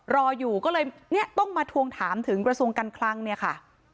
รออยู่ก็เลยต้องมาทวงถามถึงประสงค์กันคลั่งเนี่ยค่ะ